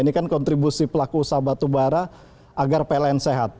ini kan kontribusi pelaku usaha batubara agar pln sehat